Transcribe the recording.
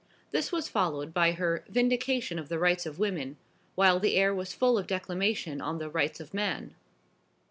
This was followed by her "Vindication of the Rights of Woman," while the air was full of declamation on the "Rights of Man."